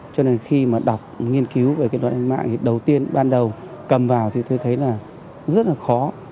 cho nên khi mà đọc nghiên cứu về cái luật an ninh mạng thì đầu tiên ban đầu cầm vào thì tôi thấy là rất là khó